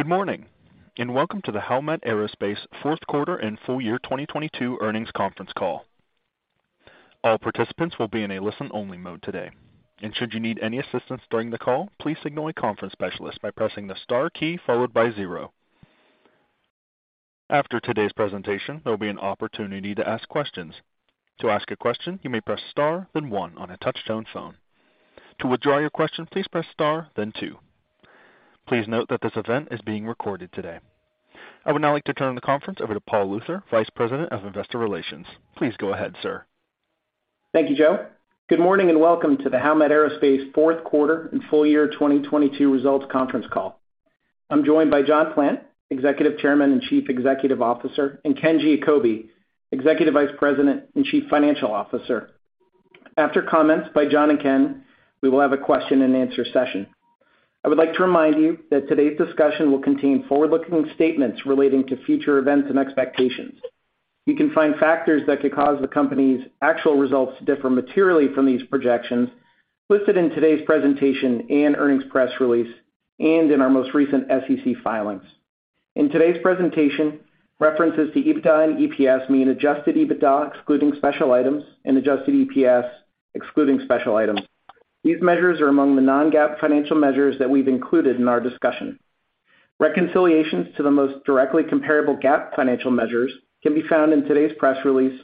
Good morning, welcome to the Howmet Aerospace fourth quarter and full year 2022 earnings conference call. All participants will be in a listen-only mode today. Should you need any assistance during the call, please signal a conference specialist by pressing the star key followed by 0. After today's presentation, there'll be an opportunity to ask questions. To ask a question, you may press star, then 1 on a touch-tone phone. To withdraw your question, please press star, then 2. Please note that this event is being recorded today. I would now like to turn the conference over to Paul Luther, Vice President of Investor Relations. Please go ahead, sir. Thank you, Joe. Good morning and welcome to the Howmet Aerospace fourth quarter and full year 2022 results conference call. I'm joined by John Plant, Executive Chairman and Chief Executive Officer, and Ken Giacobbe, Executive Vice President and Chief Financial Officer. After comments by John and Ken, we will have a question-and-answer session. I would like to remind you that today's discussion will contain forward-looking statements relating to future events and expectations. You can find factors that could cause the company's actual results to differ materially from these projections listed in today's presentation and earnings press release, and in our most recent SEC filings. In today's presentation, references to EBITDA and EPS mean adjusted EBITDA, excluding special items, and adjusted EPS, excluding special items. These measures are among the non-GAAP financial measures that we've included in our discussion. Reconciliations to the most directly comparable GAAP financial measures can be found in today's press release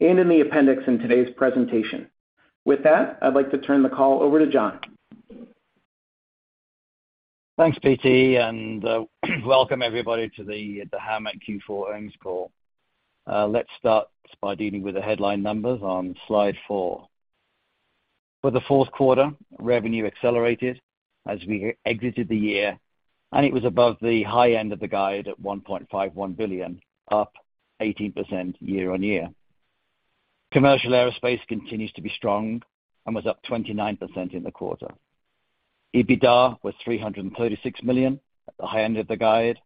and in the appendix in today's presentation. With that, I'd like to turn the call over to John. Thanks, PT, welcome everybody to the Howmet Q4 earnings call. Let's start by dealing with the headline numbers on slide four. For the fourth quarter, revenue accelerated as we exited the year, it was above the high end of the guide at $1.51 billion, up 80% year-on-year. Commercial aerospace continues to be strong, was up 29% in the quarter. EBITDA was $336 million at the high end of the guide.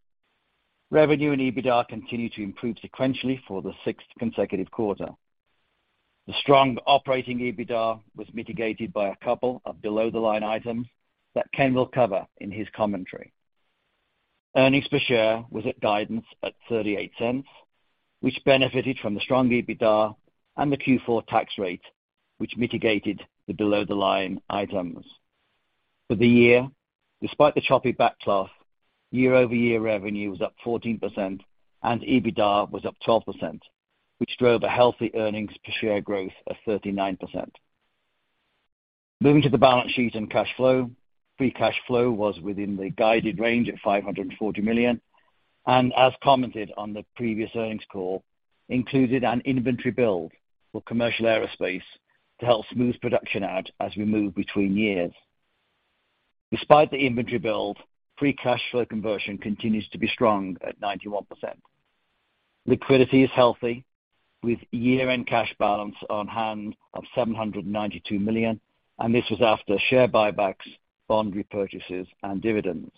Revenue and EBITDA continued to improve sequentially for the sixth consecutive quarter. The strong operating EBITDA was mitigated by a couple of below-the-line items that Ken will cover in his commentary. Earnings per share was at guidance at $0.38, which benefited from the strong EBITDA and the Q4 tax rate, which mitigated the below-the-line items. For the year, despite the choppy back half, year-over-year revenue was up 14%, and EBITDA was up 12%, which drove a healthy earnings per share growth of 39%. Moving to the balance sheet and cash flow. Free cash flow was within the guided range at $540 million, and as commented on the previous earnings call, included an inventory build for commercial aerospace to help smooth production out as we move between years. Despite the inventory build, free cash flow conversion continues to be strong at 91%. Liquidity is healthy, with year-end cash balance on hand of $792 million, and this was after share buybacks, bond repurchases, and dividends.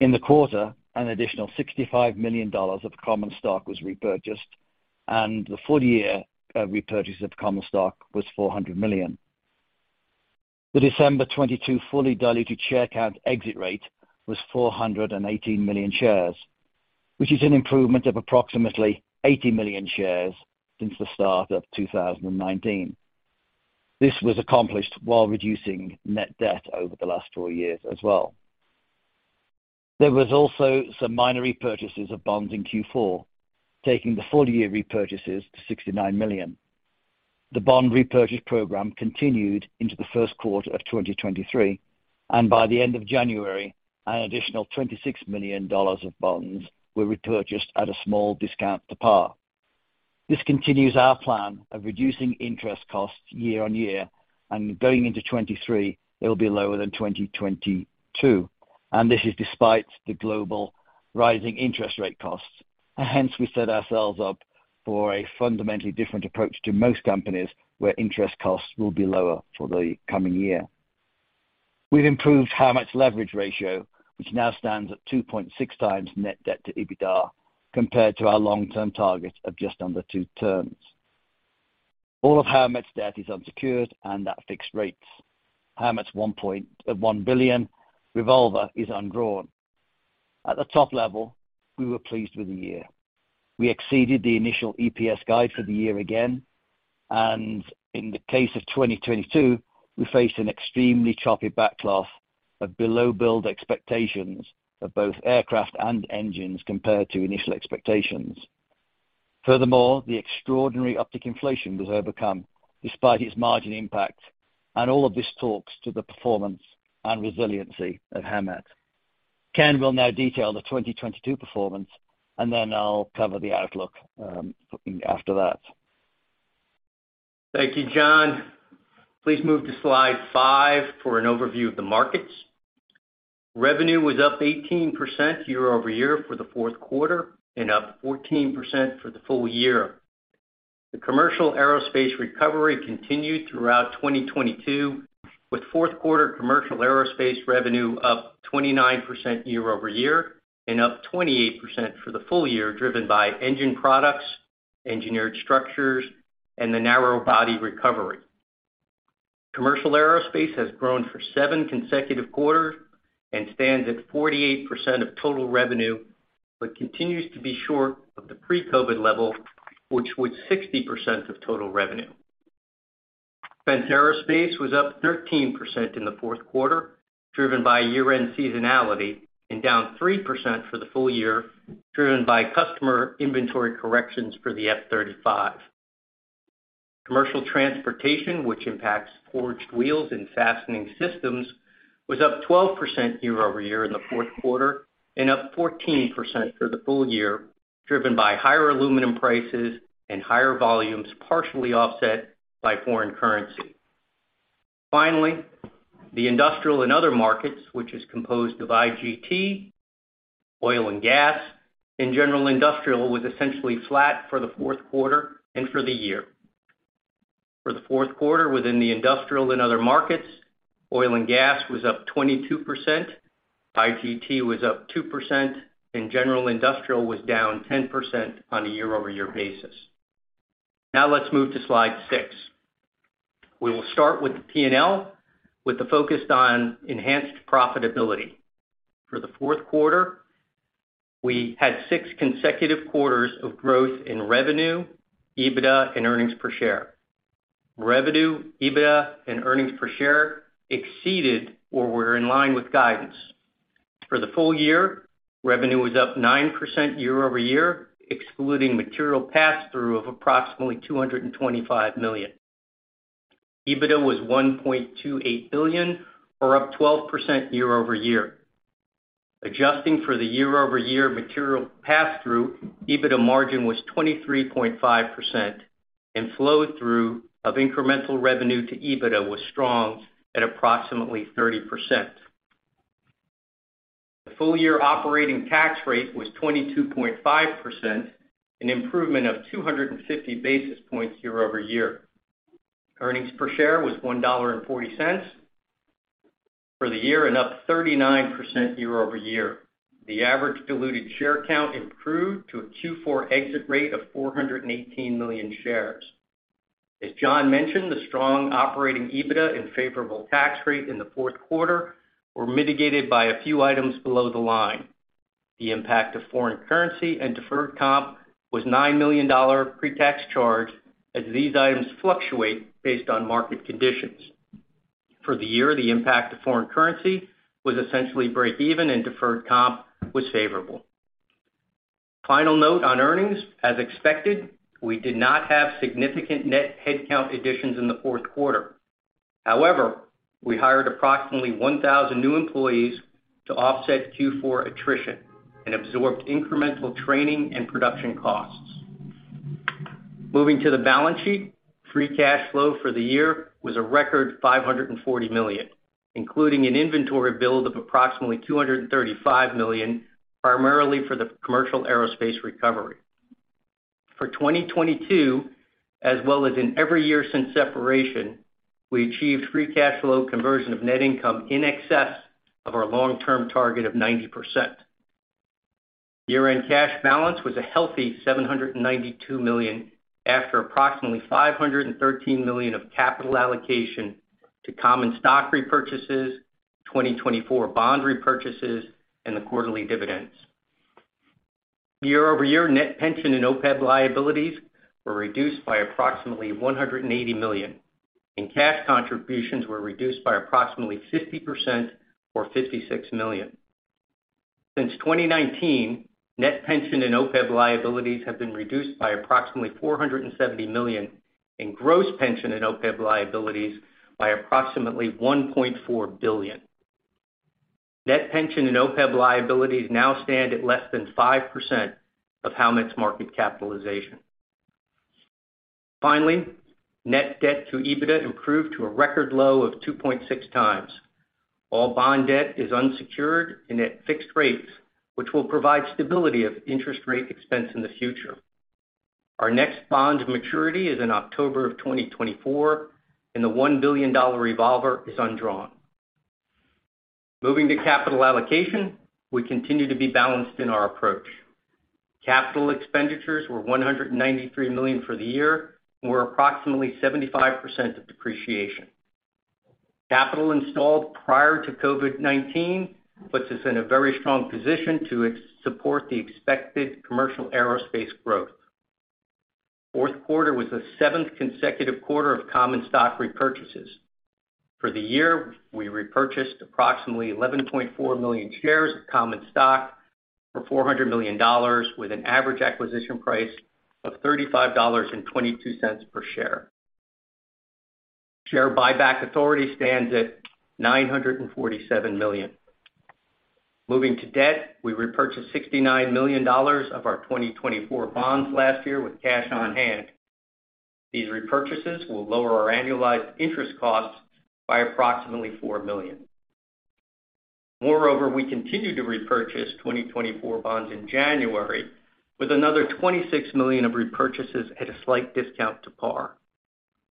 In the quarter, an additional $65 million of common stock was repurchased, and the full year of repurchase of common stock was $400 million. The December 22 fully diluted share count exit rate was 418 million shares, which is an improvement of approximately 80 million shares since the start of 2019. This was accomplished while reducing net debt over the last four years as well. There was also some minor repurchases of bonds in Q4, taking the full year repurchases to $69 million. The bond repurchase program continued into the first quarter of 2023, and by the end of January, an additional $26 million of bonds were repurchased at a small discount to par. This continues our plan of reducing interest costs year-on-year and going into 2023, it'll be lower than 2022. This is despite the global rising interest rate costs. Hence we set ourselves up for a fundamentally different approach to most companies where interest costs will be lower for the coming year. We've improved Howmet's leverage ratio, which now stands at 2.6 times net debt to EBITDA, compared to our long-term target of just under two terms. All of Howmet's debt is unsecured and at fixed rates. Howmet's $1 billion revolver is undrawn. At the top level, we were pleased with the year. We exceeded the initial EPS guide for the year again, and in the case of 2022, we faced an extremely choppy back half of below build expectations of both aircraft and engines compared to initial expectations. Furthermore, the extraordinary optic inflation was overcome despite its margin impact. All of this talks to the performance and resiliency of Howmet. Ken will now detail the 2022 performance, and then I'll cover the outlook after that. Thank you, John. Please move to slide five for an overview of the markets. Revenue was up 18% year-over-year for the fourth quarter and up 14% for the full year. The commercial aerospace recovery continued throughout 2022, with fourth quarter commercial aerospace revenue up 29% year-over-year and up 28% for the full year, driven by Engine Products, Engineered Structures, and the narrow body recovery. Commercial aerospace has grown for seven consecutive quarters and stands at 48% of total revenue, but continues to be short of the pre-COVID-19 level, which was 60% of total revenue. Defense aerospace was up 13% in the 4th quarter, driven by year-end seasonality, and down 3% for the full year, driven by customer inventory corrections for the F-35. Commercial transportation, which impacts Forged Wheels and Fastening Systems, was up 12% year-over-year in the fourth quarter and up 14% for the full year, driven by higher aluminum prices and higher volumes, partially offset by foreign currency. The industrial and other markets, which is composed of IGT, oil and gas, and general industrial, was essentially flat for the 4th quarter and for the year. For the fourth quarter within the industrial and other markets, oil and gas was up 22%, IGT was up 2%, and general industrial was down 10% on a year-over-year basis. Let's move to slide 6. We will start with the P&L with the focus on enhanced profitability. For the fourth quarter, we had 6 consecutive quarters of growth in revenue, EBITDA, and earnings per share. Revenue, EBITDA, and earnings per share exceeded or were in line with guidance. For the full year, revenue was up 9% year-over-year, excluding material pass-through of approximately $225 million. EBITDA was $1.28 billion, or up 12% year-over-year. Adjusting for the year-over-year material pass-through, EBITDA margin was 23.5%, and flow-through of incremental revenue to EBITDA was strong at approximately 30%. The full-year operating tax rate was 22.5%, an improvement of 250 basis points year-over-year. Earnings per share was $1.40 for the year and up 39% year-over-year. The average diluted share count improved to a Q4 exit rate of 418 million shares. As John mentioned, the strong operating EBITDA and favorable tax rate in the fourth quarter were mitigated by a few items below the line. The impact of foreign currency and deferred comp was $9 million pre-tax charge as these items fluctuate based on market conditions. For the year, the impact of foreign currency was essentially break even and deferred comp was favorable. Final note on earnings, as expected, we did not have significant net headcount additions in the fourth quarter. We hired approximately 1,000 new employees to offset Q4 attrition and absorbed incremental training and production costs. Moving to the balance sheet, free cash flow for the year was a record $540 million, including an inventory build of approximately $235 million, primarily for the commercial aerospace recovery. For 2022, as well as in every year since separation, we achieved free cash flow conversion of net income in excess of our long-term target of 90%. Year-end cash balance was a healthy $792 million after approximately $513 million of capital allocation to common stock repurchases, 2024 bond repurchases, and the quarterly dividends. Year-over-year, net pension and OPEB liabilities were reduced by approximately $180 million, and cash contributions were reduced by approximately 50% or $56 million. Since 2019, net pension and OPEB liabilities have been reduced by approximately $470 million, and gross pension and OPEB liabilities by approximately $1.4 billion. Net pension and OPEB liabilities now stand at less than 5% of Howmet's market capitalization. Finally, net debt to EBITDA improved to a record low of 2.6x. All bond debt is unsecured and at fixed rates, which will provide stability of interest rate expense in the future. Our next bond maturity is in October of 2024, and the $1 billion revolver is undrawn. Moving to capital allocation. We continue to be balanced in our approach. Capital expenditures were $193 million for the year and were approximately 75% of depreciation. Capital installed prior to COVID-19 puts us in a very strong position to support the expected commercial aerospace growth. Fourth quarter was the 7th consecutive quarter of common stock repurchases. For the year, we repurchased approximately 11.4 million shares of common stock for $400 million, with an average acquisition price of $35.22 per share. Share buyback authority stands at $947 million. Moving to debt, we repurchased $69 million of our 2024 bonds last year with cash on hand. These repurchases will lower our annualized interest costs by approximately $4 million. We continue to repurchase 2024 bonds in January with another $26 million of repurchases at a slight discount to par.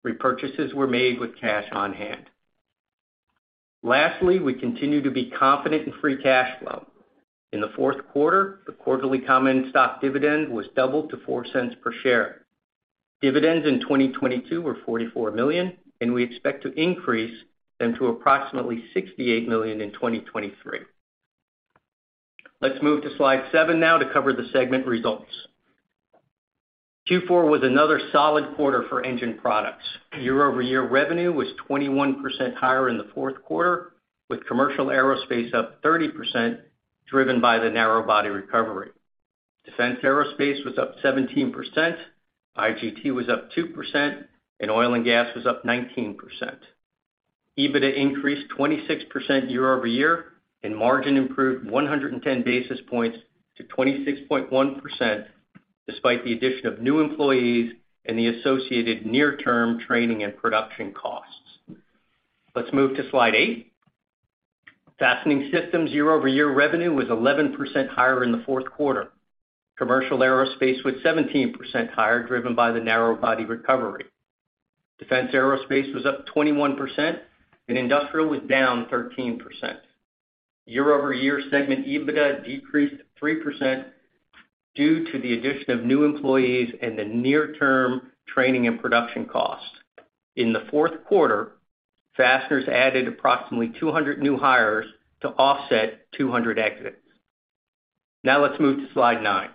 Repurchases were made with cash on hand. We continue to be confident in free cash flow. In the fourth quarter, the quarterly common stock dividend was doubled to $0.04 per share. Dividends in 2022 were $44 million. We expect to increase them to approximately $68 million in 2023. Let's move to slide seven now to cover the segment results. Q4 was another solid quarter for Engine Products. Year-over-year revenue was 21% higher in the fourth quarter, with commercial aerospace up 30%, driven by the narrow body recovery. Defense aerospace was up 17%, IGT was up 2%. Oil and gas was up 19%. EBITDA increased 26% year-over-year. Margin improved 110 basis points to 26.1%, despite the addition of new employees and the associated near-term training and production costs. Let's move to slide 8. Fastening Systems year-over-year revenue was 11% higher in the fourth quarter. Commercial aerospace was 17% higher, driven by the narrow body recovery. Defense aerospace was up 21%, and industrial was down 13%. Year-over-year segment EBITDA decreased 3% due to the addition of new employees and the near-term training and production cost. In the fourth quarter, Fasteners added approximately 200 new hires to offset 200 exits. Now let's move to slide nine.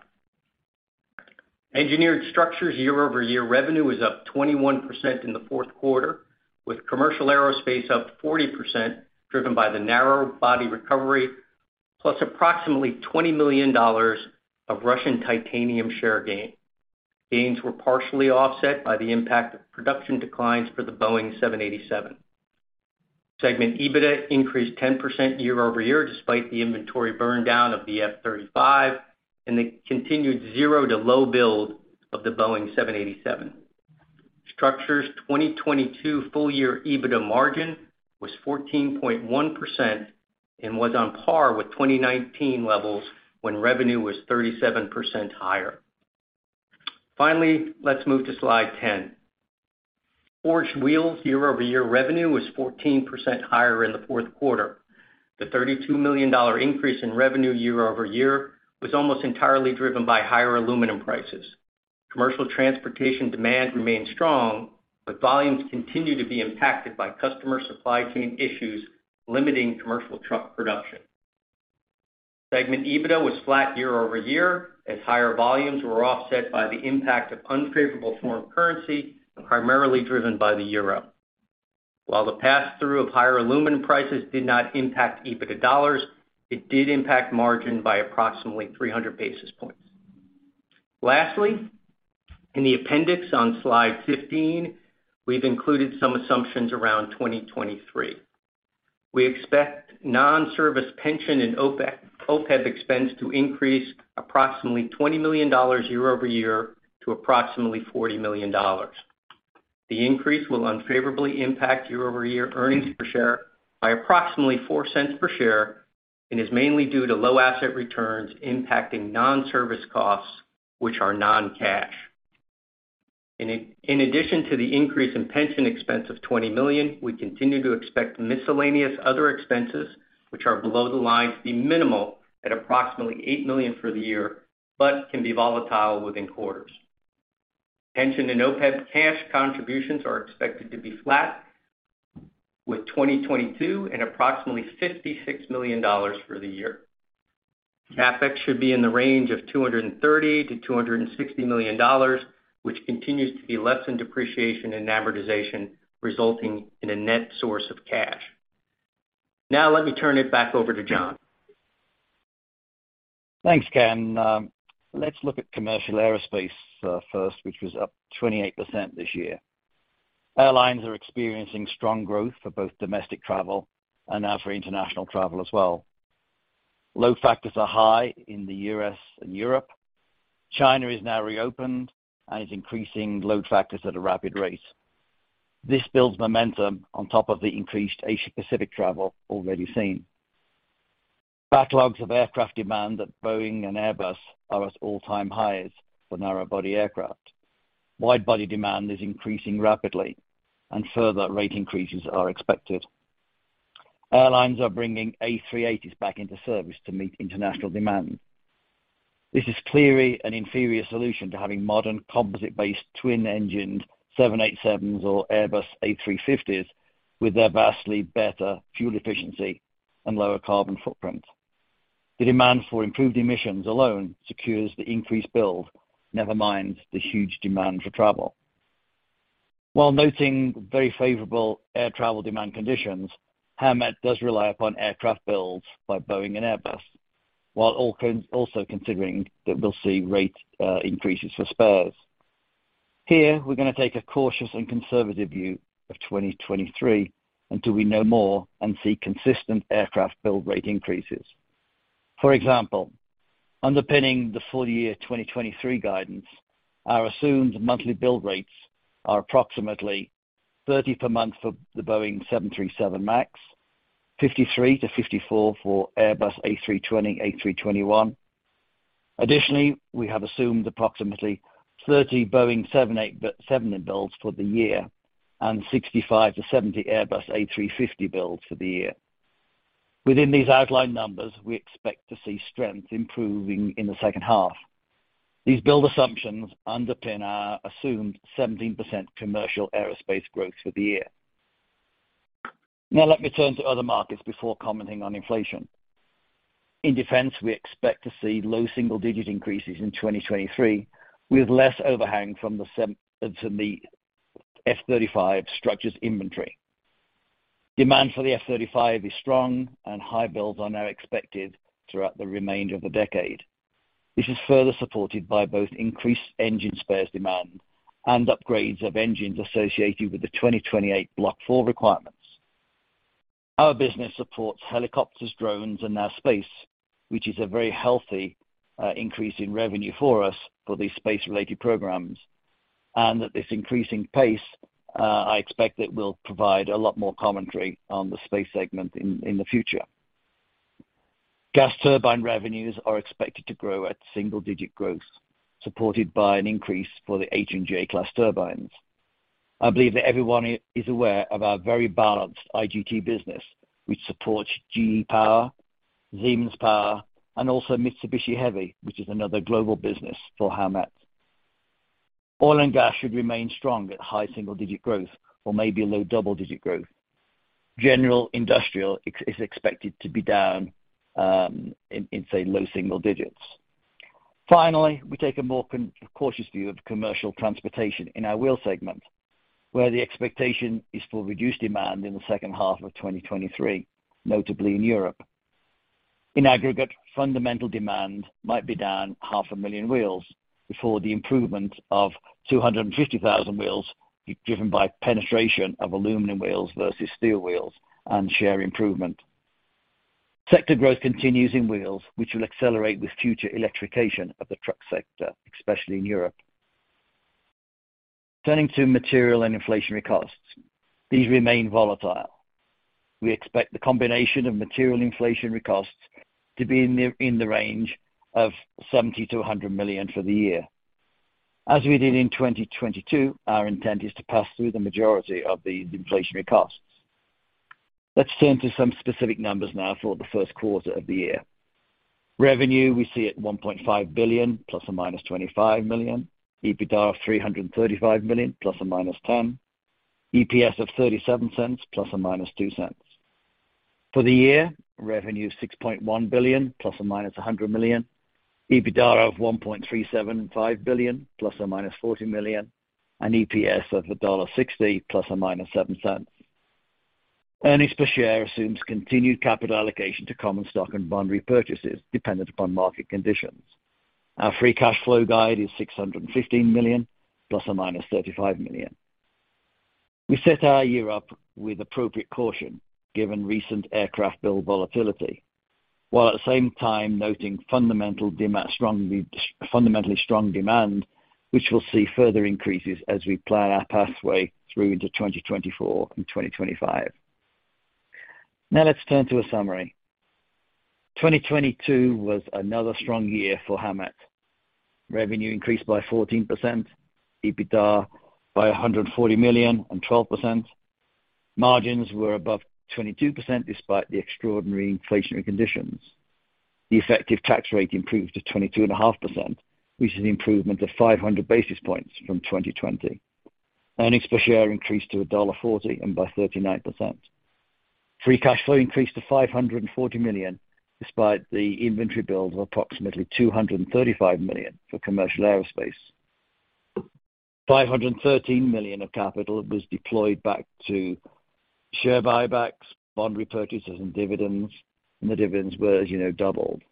Engineered Structures year-over-year revenue was up 21% in the fourth quarter, with commercial aerospace up 40% driven by the narrow body recovery, plus approximately $20 million of Russian titanium share gain. Gains were partially offset by the impact of production declines for the Boeing 787. Segment EBITDA increased 10% year-over-year, despite the inventory burn down of the F-35 and the continued zero to low build of the Boeing 787. Structures' 2022 full year EBITDA margin was 14.1% and was on par with 2019 levels when revenue was 37% higher. Finally, let's move to slide 10. Forged Wheels year-over-year revenue was 14% higher in the 4th quarter. The $32 million increase in revenue year-over-year was almost entirely driven by higher aluminum prices. Commercial transportation demand remained strong, but volumes continue to be impacted by customer supply chain issues, limiting commercial truck production. Segment EBITDA was flat year-over-year as higher volumes were offset by the impact of unfavorable foreign currency, primarily driven by the euro. While the pass-through of higher aluminum prices did not impact EBITDA dollars, it did impact margin by approximately 300 basis points. Lastly, in the appendix on slide 15, we've included some assumptions around 2023. We expect nonservice pension and OPEB expense to increase approximately $20 million year-over-year to approximately $40 million. The increase will unfavorably impact year-over-year EPS by approximately $0.04 per share and is mainly due to low asset returns impacting nonservice costs, which are non-cash. In addition to the increase in pension expense of $20 million, we continue to expect miscellaneous other expenses which are below the line to be minimal at approximately $8 million for the year, but can be volatile within quarters. Pension and OPEB cash contributions are expected to be flat with 2022 and approximately $56 million for the year. CapEx should be in the range of $230 million-$260 million, which continues to be less than depreciation and amortization, resulting in a net source of cash. Now let me turn it back over to John. Thanks, Ken. Let's look at commercial aerospace first, which was up 28% this year. Airlines are experiencing strong growth for both domestic travel and now for international travel as well. Load factors are high in the U.S. and Europe. China is now reopened and is increasing load factors at a rapid rate. This builds momentum on top of the increased Asia-Pacific travel already seen. Backlogs of aircraft demand at Boeing and Airbus are at all-time highs for narrow-body aircraft. Wide-body demand is increasing rapidly and further rate increases are expected. Airlines are bringing A380s back into service to meet international demand. This is clearly an inferior solution to having modern composite-based twin-engined 787s or Airbus A350s with their vastly better fuel efficiency and lower carbon footprint. The demand for improved emissions alone secures the increased build, never mind the huge demand for travel. While noting very favorable air travel demand conditions, Howmet does rely upon aircraft builds by Boeing and Airbus, also considering that we'll see rate increases for spares. Here, we're gonna take a cautious and conservative view of 2023 until we know more and see consistent aircraft build rate increases. For example, underpinning the full year 2023 guidance, our assumed monthly build rates are approximately 30 per month for the Boeing 737 MAX, 53-54 for Airbus A320, A321. Additionally, we have assumed approximately 30 Boeing 787 builds for the year and 65-70 Airbus A350 builds for the year. Within these outlined numbers, we expect to see strength improving in the second half. These build assumptions underpin our assumed 17% commercial aerospace growth for the year. Let me turn to other markets before commenting on inflation. In defense, we expect to see low single-digit increases in 2023, with less overhang from the F-35 structures inventory. Demand for the F-35 is strong and high builds are now expected throughout the remainder of the decade. This is further supported by both increased engine spares demand and upgrades of engines associated with the 2028 Block four requirements. Our business supports helicopters, drones, and now space, which is a very healthy increase in revenue for us for these space-related programs, and at this increasing pace, I expect that we'll provide a lot more commentary on the space segment in the future. Gas turbine revenues are expected to grow at single-digit growth, supported by an increase for the H-class and J-class turbines. I believe that everyone is aware of our very balanced IGT business, which supports GE Power, Siemens Energy, and also Mitsubishi Heavy, which is another global business for Howmet. Oil and gas should remain strong at high single-digit growth or maybe low double-digit growth. General Industrial is expected to be down in say low single digits. Finally, we take a more cautious view of commercial transportation in our wheel segment, where the expectation is for reduced demand in the second half of 2023, notably in Europe. In aggregate, fundamental demand might be down half a million wheels before the improvement of 250,000 wheels given by penetration of aluminum wheels versus steel wheels and share improvement. Sector growth continues in wheels, which will accelerate with future electrification of the truck sector, especially in Europe. Turning to material and inflationary costs, these remain volatile. We expect the combination of material inflationary costs to be in the range of $70 million-$100 million for the year. As we did in 2022, our intent is to pass through the majority of these inflationary costs. Let's turn to some specific numbers now for the first quarter of the year. Revenue we see at $1.5 billion ±$25 million, EBITDA of $335 million ±$10 million, EPS of $0.37 ±$0.02. For the year, revenue of $6.1 billion ±$100 million, EBITDA of $1.375 billion ±$40 million, and EPS of $1.60 ±$0.07. Earnings per share assumes continued capital allocation to common stock and bond repurchases dependent upon market conditions. Our free cash flow guide is $615 million ±$35 million. We set our year up with appropriate caution given recent aircraft build volatility, while at the same time noting fundamentally strong demand, which will see further increases as we plan our pathway through to 2024 and 2025. Let's turn to a summary. 2022 was another strong year for Howmet. Revenue increased by 14%, EBITDA by $140 million and 12%. Margins were above 22% despite the extraordinary inflationary conditions. The effective tax rate improved to 22.5%, which is an improvement of 500 basis points from 2020. Earnings per share increased to $1.40 and by 39%. Free cash flow increased to $540 million despite the inventory build of approximately $235 million for commercial aerospace. $513 million of capital was deployed back to share buybacks, bond repurchases and dividends, and the dividends were, as you know, doubled.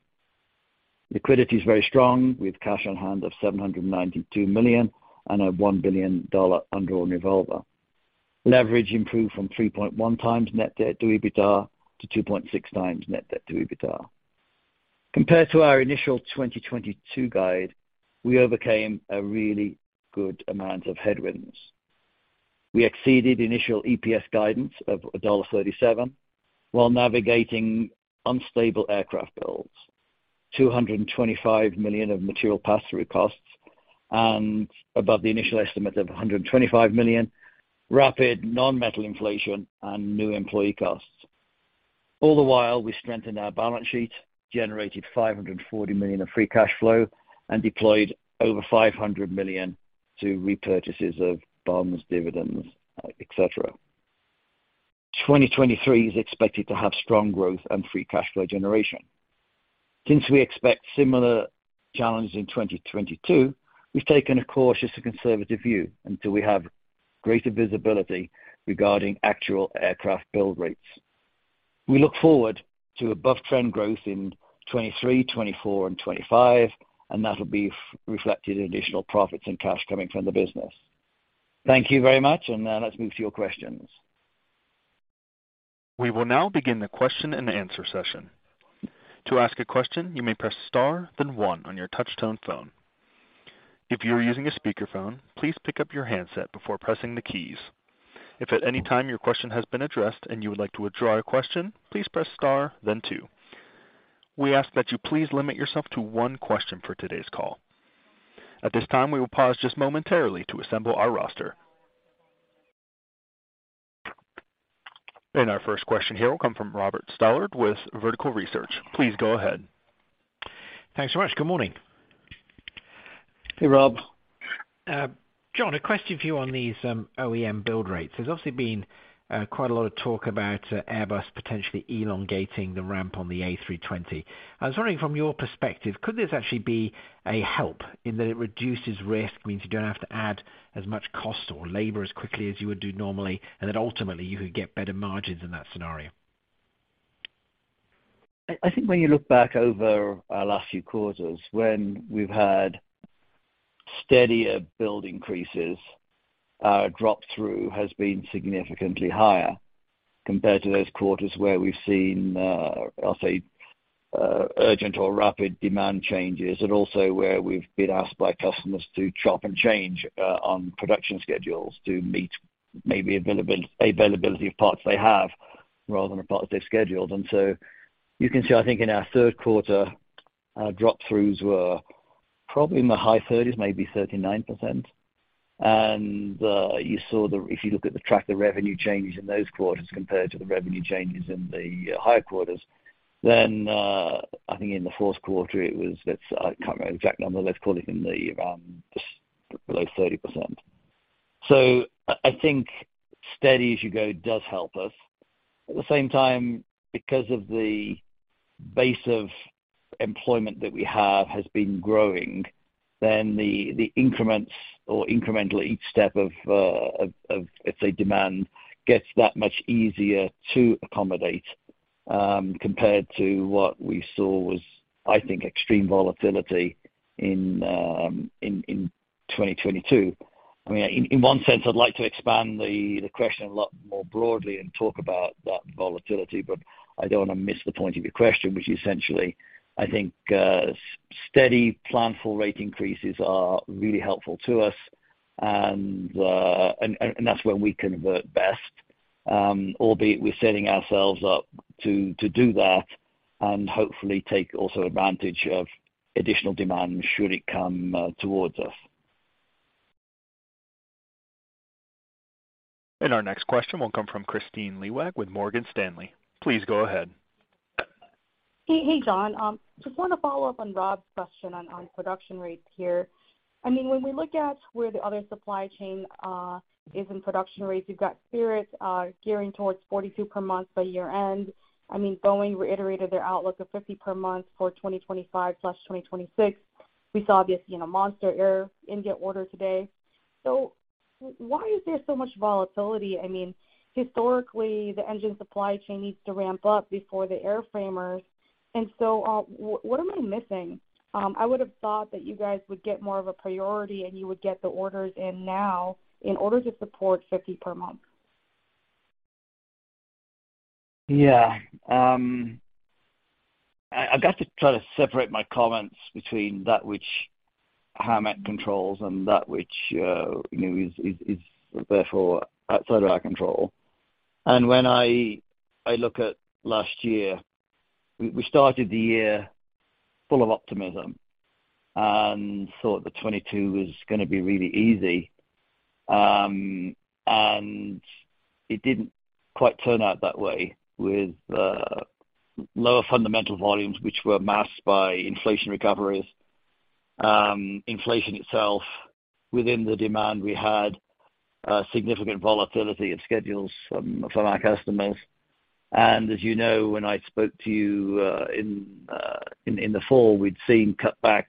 Liquidity is very strong with cash on hand of $792 million and a $1 billion undrawn revolver. Leverage improved from 3.1x net debt to EBITDA to 2.6x net debt to EBITDA. Compared to our initial 2022 guide, we overcame a really good amount of headwinds. We exceeded initial EPS guidance of $1.37 while navigating unstable aircraft builds, $225 million of material pass-through costs and above the initial estimate of $125 million, rapid non-metal inflation and new employee costs. All the while, we strengthened our balance sheet, generated $540 million of free cash flow, and deployed over $500 million to repurchases of bonds, dividends, et cetera. 2023 is expected to have strong growth and free cash flow generation. Since we expect similar challenges in 2022, we've taken a cautious and conservative view until we have greater visibility regarding actual aircraft build rates. We look forward to above-trend growth in 2023, 2024, and 2025, and that'll be reflected in additional profits and cash coming from the business. Thank you very much. Now let's move to your questions. We will now begin the question and answer session. To ask a question, you may press star then one on your touch-tone phone. If you're using a speakerphone, please pick up your handset before pressing the keys. If at any time your question has been addressed and you would like to withdraw your question, please press Star, then two. We ask that you please limit yourself to one question for today's call. At this time, we will pause just momentarily to assemble our roster. Our first question here will come from Robert Stallard with Vertical Research. Please go ahead. Thanks so much. Good morning. Hey, Rob. John, a question for you on these OEM build rates. There's obviously been quite a lot of talk about Airbus potentially elongating the ramp on the A320. I was wondering from your perspective, could this actually be a help in that it reduces risk, means you don't have to add as much cost or labor as quickly as you would do normally, and then ultimately you could get better margins in that scenario? I think when you look back over our last few quarters when we've had steadier build increases, our drop through has been significantly higher compared to those quarters where we've seen, I'll say, urgent or rapid demand changes, and also where we've been asked by customers to chop and change on production schedules to meet maybe availability of parts they have rather than the parts they've scheduled. You can see, I think in our third quarter, our drop-throughs were probably in the high 30s, maybe 39%. You saw the... If you look at the track, the revenue changes in those quarters compared to the revenue changes in the higher quarters, I think in the fourth quarter it was, let's... I can't remember exact number. Let's call it in the, around below 30%. I think steady as you go does help us. At the same time, because of the base of employment that we have has been growing, then the increments or incremental, each step of, let's say, demand gets that much easier to accommodate, compared to what we saw was, I think, extreme volatility in 2022. I mean, in one sense, I'd like to expand the question a lot more broadly and talk about that volatility, but I don't wanna miss the point of your question, which essentially I think steady plan full rate increases are really helpful to us and that's when we can work best, albeit we're setting ourselves up to do that and hopefully take also advantage of additional demand should it come towards us. Our next question will come from Kristine Liwag with Morgan Stanley. Please go ahead. Hey, hey, John. Just wanna follow up on Rob's question on production rates here. When we look at where the other supply chain is in production rates, you've got Spirit gearing towards 42 per month by year end. Boeing reiterated their outlook of 50 per month for 2025 plus 2026. We saw obviously in a monster Air India order today. Why is there so much volatility? Historically, the engine supply chain needs to ramp up before the airframers, what am I missing? I would've thought that you guys would get more of a priority and you would get the orders in now in order to support 50 per month. Yeah. I got to try to separate my comments between that which Howmet controls and that which, you know, is therefore outside of our control. When I look at last year, we started the year full of optimism and thought that 2022 was gonna be really easy. It didn't quite turn out that way with lower fundamental volumes, which were masked by inflation recoveries. Inflation itself within the demand, we had significant volatility in schedules from our customers. As you know, when I spoke to you in the fall, we'd seen cutbacks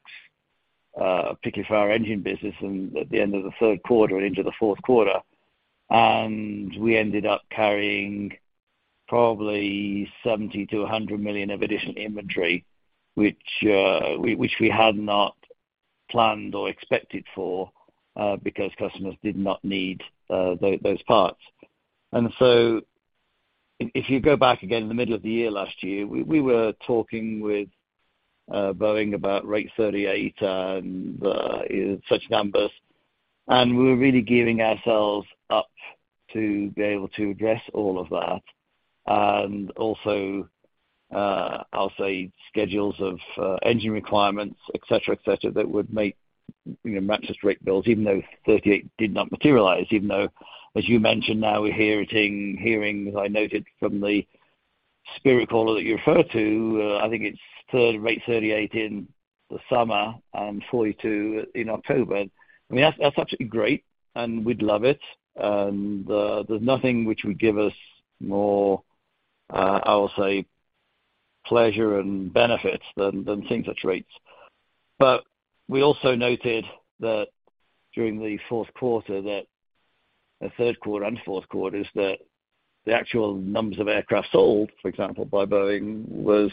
particularly for our engine business from at the end of the third quarter into the fourth quarter. We ended up carrying probably $70 million-$100 million of additional inventory, which we had not planned or expected for, because customers did not need those parts. If you go back again in the middle of the year last year, we were talking with Boeing about rate 38 and such numbers, and we were really gearing ourselves up to be able to address all of that. Also, I'll say schedules of engine requirements, et cetera, et cetera, that would make, you know, matches rate builds even though 38 did not materialize. Even though, as you mentioned, now we're hearing, as I noted from the Spirit caller that you refer to, I think it's third rate 38 in the summer and 42 in October. I mean, that's absolutely great and we'd love it. There's nothing which would give us more, I'll say, pleasure and benefits than things at rates. We also noted that during the fourth quarter, that the third quarter and fourth quarters that the actual numbers of aircraft sold, for example, by Boeing, was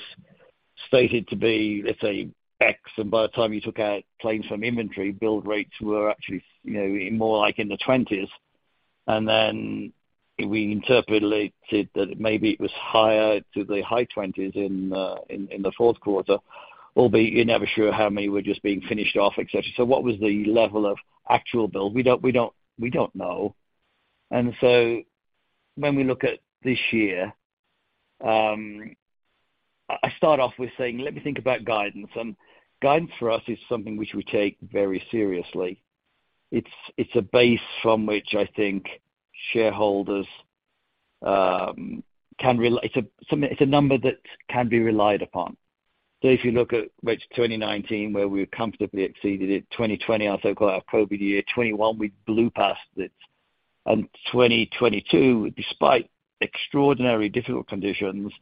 stated to be, let's say X. By the time you took out planes from inventory, build rates were actually, you know, more like in the 20s. We interpolated that maybe it was higher to the high 20s in, in the fourth quarter, albeit you're never sure how many were just being finished off, et cetera. What was the level of actual build? We don't know. When we look at this year, I start off with saying, let me think about guidance. Guidance for us is something which we take very seriously. It's a base from which I think shareholders, it's a number that can be relied upon. If you look at which 2019, where we comfortably exceeded it, 2020, I'll say, call it our COVID-19 year. 2021, we blew past it. 2022, despite extraordinary difficult conditions,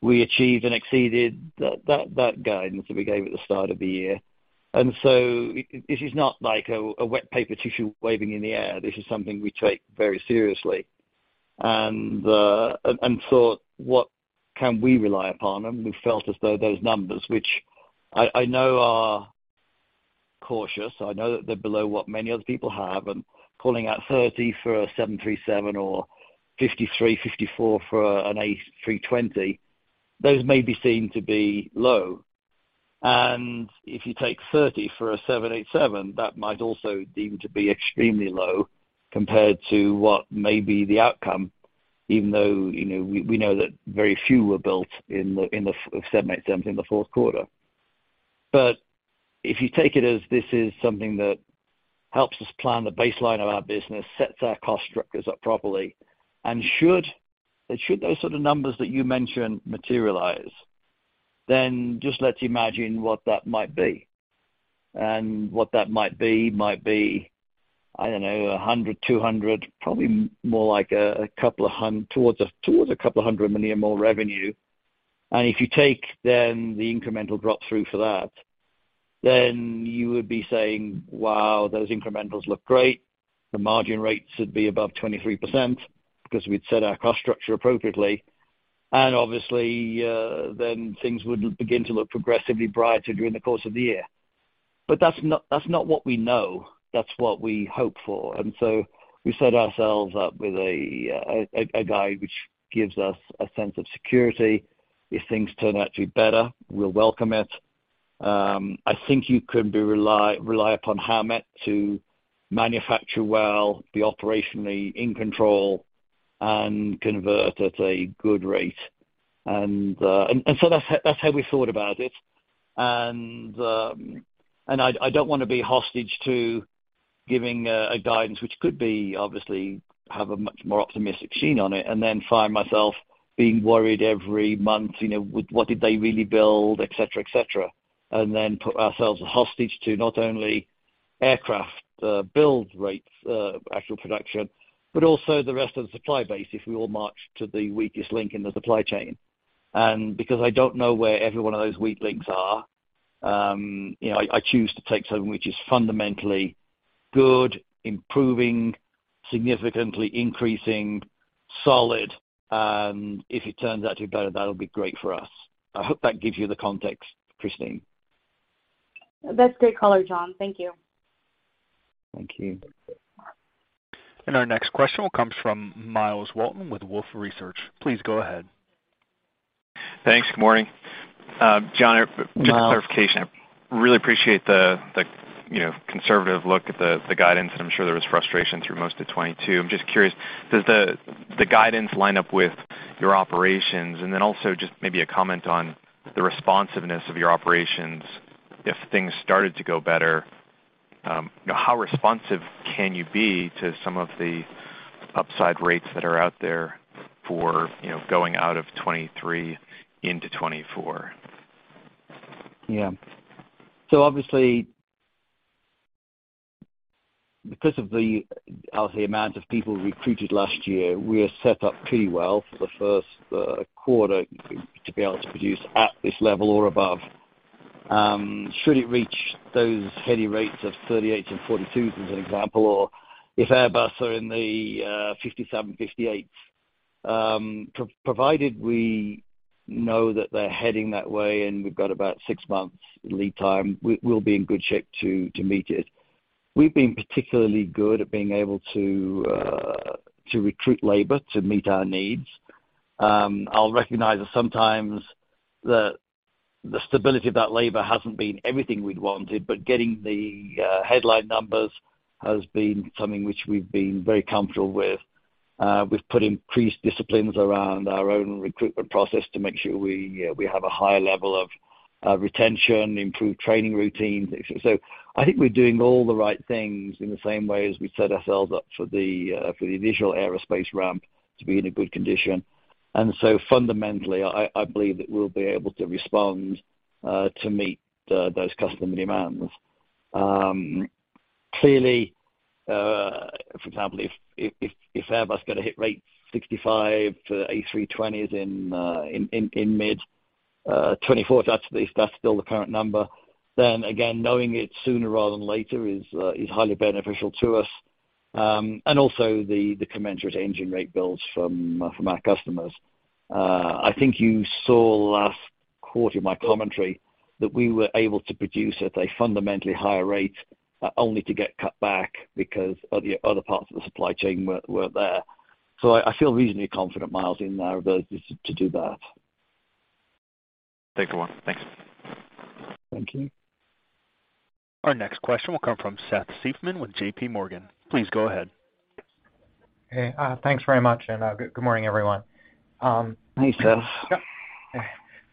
we achieved and exceeded that guidance that we gave at the start of the year. This is not like a wet paper tissue waving in the air. This is something we take very seriously. What can we rely upon, and we felt as though those numbers, which I know are cautious. I know that they're below what many other people have. Calling out 30 for a 737 or 53, 54 for an A320, those may be seen to be low. If you take 30 for a 787, that might also deem to be extremely low compared to what may be the outcome, even though, you know, we know that very few were built in the 787s in the fourth quarter. If you take it as this is something that helps us plan the baseline of our business, sets our cost structures up properly, and should those sort of numbers that you mentioned materialize, then just let's imagine what that might be. What that might be, I don't know, 100, 200, probably more like towards a $200 million more revenue. If you take then the incremental drop-through for that, then you would be saying, "Wow, those incrementals look great." The margin rates would be above 23% because we'd set our cost structure appropriately. Obviously, then things would begin to look progressively brighter during the course of the year. That's not what we know. That's what we hope for. We set ourselves up with a guide which gives us a sense of security. If things turn out to be better, we'll welcome it. I think you can be rely upon Howmet to manufacture well, be operationally in control and convert at a good rate. That's how we thought about it. I don't wanna be hostage to giving a guidance which could be obviously have a much more optimistic sheen on it and then find myself being worried every month, you know, with what did they really build, et cetera, et cetera. Put ourselves hostage to not only aircraft build rates, actual production, but also the rest of the supply base, if we all march to the weakest link in the supply chain. Because I don't know where every one of those weak links are, you know, I choose to take something which is fundamentally good, improving, significantly increasing, solid, and if it turns out to be better, that'll be great for us. I hope that gives you the context, Kristine. That's great color, John. Thank you. Thank you. Our next question comes from Myles Walton with Wolfe Research. Please go ahead. Thanks. Good morning. John, just clarification. Really appreciate the, you know, conservative look at the guidance, and I'm sure there was frustration through most of 2022. I'm just curious, does the guidance line up with your operations? Then also just maybe a comment on the responsiveness of your operations if things started to go better, you know, how responsive can you be to some of the upside rates that are out there for, you know, going out of 2023 into 2024? Obviously, because of the, I'll say, amount of people recruited last year, we are set up pretty well for the first quarter to be able to produce at this level or above. Should it reach those heady rates of 38s and 42s, as an example, or if Airbus are in the 57, 58s, provided we know that they're heading that way and we've got about six months lead time, we'll be in good shape to meet it. We've been particularly good at being able to recruit labor to meet our needs. I'll recognize that sometimes the stability of that labor hasn't been everything we'd wanted, but getting the headline numbers has been something which we've been very comfortable with. We've put increased disciplines around our own recruitment process to make sure we have a higher level of retention, improved training routines. I think we're doing all the right things in the same way as we set ourselves up for the initial aerospace ramp to be in a good condition. Fundamentally, I believe that we'll be able to respond to meet those customer demands. Clearly, for example, if Airbus gonna hit rates 65 for A320s in mid 2024, if that's still the current number, then again, knowing it sooner rather than later is highly beneficial to us. Also the commensurate engine rate builds from our customers. I think you saw last-Quoted my commentary that we were able to produce at a fundamentally higher rate, only to get cut back because the other parts of the supply chain weren't there. I feel reasonably confident, Myles, in our ability to do that. Thanks a lot. Thanks. Thank you. Our next question will come from Seth Seifman with J.P. Morgan. Please go ahead. Hey. Thanks very much. Good morning, everyone. Hey, Seth.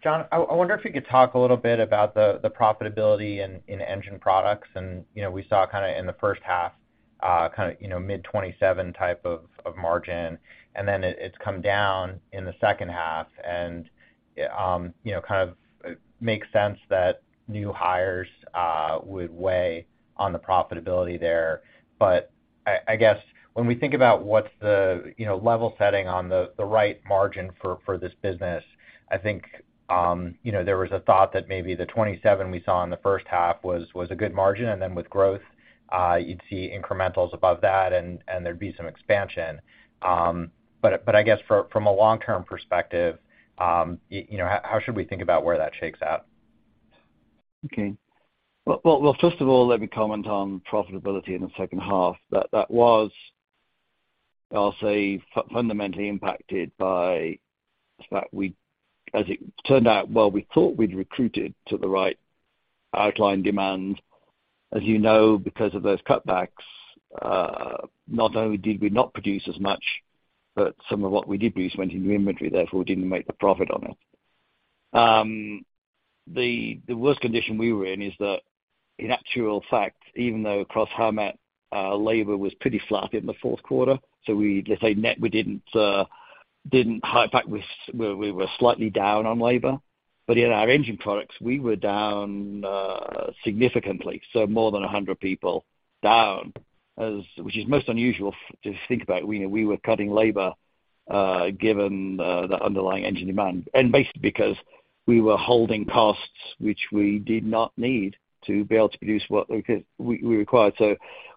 John, I wonder if you could talk a little bit about the profitability in Engine Products. You know, we saw kind of in the first half, kind of, you know, mid-27% type of margin, and then it's come down in the second half. You know, kind of makes sense that new hires would weigh on the profitability there. I guess when we think about what's the, you know, level setting on the right margin for this business, I think, you know, there was a thought that maybe the 27% we saw in the first half was a good margin, and then with growth, you'd see incrementals above that and there'd be some expansion. I guess from a long-term perspective, you know, how should we think about where that shakes out? Okay. Well, well, well, first of all, let me comment on profitability in the second half. That, that was, I'll say, fundamentally impacted by the fact we, as it turned out, well, we thought we'd recruited to the right outline demand. As you know, because of those cutbacks, not only did we not produce as much, but some of what we did produce went into inventory, therefore we didn't make the profit on it. The worst condition we were in is that in actual fact, even though across Howmet, labor was pretty flat in the fourth quarter, so we, let's say net we didn't, in fact we were slightly down on labor. In our Engine Products, we were down significantly, so more than 100 people down as, which is most unusual to think about. We were cutting labor, given the underlying engine demand, and basically because we were holding costs which we did not need to be able to produce what we required.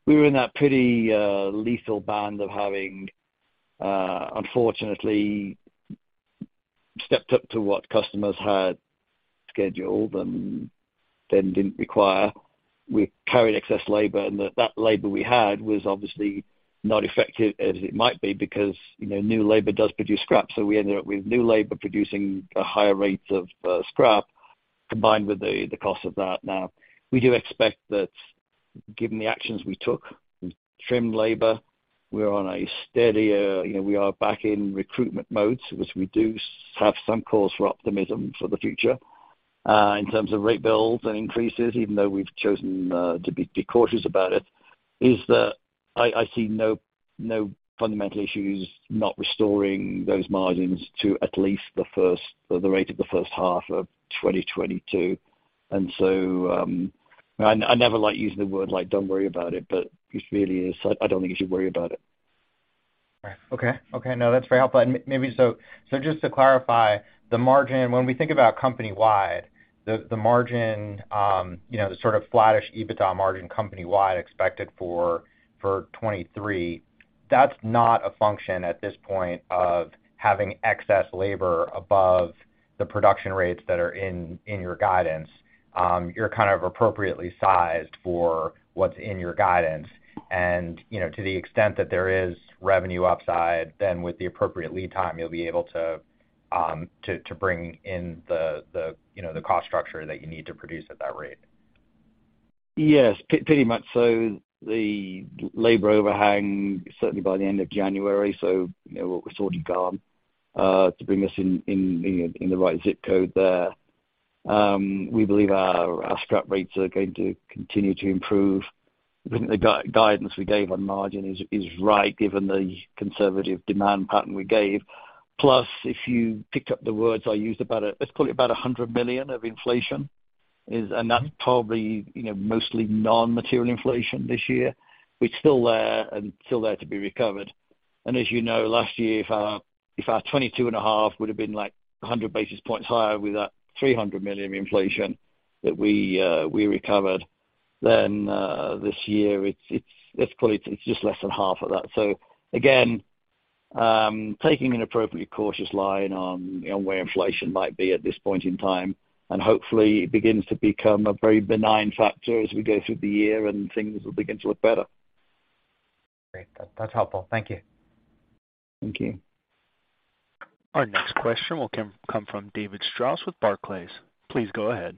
We were in that pretty lethal band of having unfortunately stepped up to what customers had scheduled and then didn't require. We carried excess labor, and that labor we had was obviously not effective as it might be because, you know, new labor does produce scrap. We ended up with new labor producing a higher rates of scrap combined with the cost of that. We do expect that given the actions we took, we've trimmed labor. We're on a steady, you know, we are back in recruitment mode, which we do have some cause for optimism for the future, in terms of rate builds and increases, even though we've chosen, to be cautious about it, is that I see no fundamental issues not restoring those margins to at least the first, or the rate of the first half of 2022. I never like using the word like don't worry about it, but it really is. I don't think you should worry about it. All right. Okay. Okay. No, that's very helpful. Maybe so, just to clarify, the margin, when we think about company-wide, the margin, you know, the sort of flattish EBITDA margin company-wide expected for 23, that's not a function at this point of having excess labor above the production rates that are in your guidance. You're kind of appropriately sized for what's in your guidance. You know, to the extent that there is revenue upside, then with the appropriate lead time, you'll be able to bring in the, you know, the cost structure that you need to produce at that rate. Yes, pretty much so. The labor overhang certainly by the end of January, so, you know, sort of gone, to bring us in the right zip code there. We believe our scrap rates are going to continue to improve. We think the guidance we gave on margin is right given the conservative demand pattern we gave. Plus, if you picked up the words I used about, let's put it about $100 million of inflation is... That's probably, you know, mostly non-material inflation this year. It's still there and still there to be recovered. As you know, last year, if our 22.5% would've been like 100 basis points higher with that $300 million of inflation that we recovered, this year, let's put it's just less than half of that. Again, taking an appropriately cautious line on, you know, where inflation might be at this point in time, and hopefully it begins to become a very benign factor as we go through the year and things will begin to look better. Great. That's helpful. Thank you. Thank you. Our next question will come from David Strauss with Barclays. Please go ahead.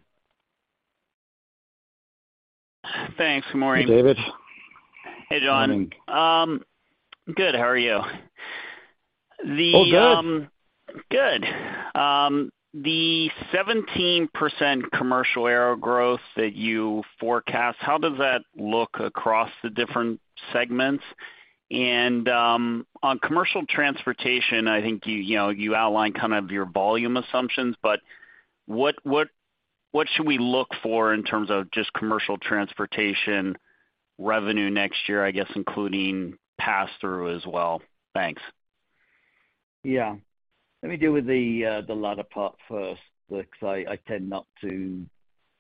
Thanks. Good morning. David. Hey, John. Morning. good. How are you? Oh, good. Good. The 17% commercial aero growth that you forecast, how does that look across the different segments? On commercial transportation, I think you know, you outlined kind of your volume assumptions, but what should we look for in terms of just commercial transportation revenue next year, I guess including pass-through as well? Thanks. Yeah. Let me deal with the latter part first, because I tend not to